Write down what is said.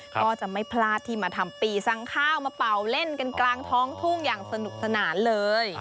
ก็จะไม่พลาดที่มาทำปีสั่งข้าวมาเป่าเล่นกันกลางท้องทุ่งอย่างสนุกสนานเลย